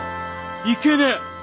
いけねえ！